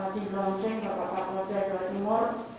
di launchen bapak bapak provinsi jawa timur